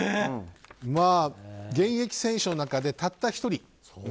現役選手の中でたった１人。